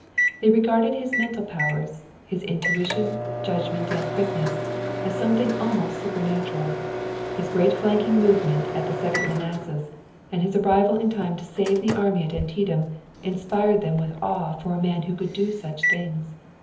They regarded his mental powers, his intuition, judgment and quickness as something almost supernatural. His great flanking movement at the Second Manassas, and his arrival in time to save the army at Antietam, inspired them with awe for a man who could do such things.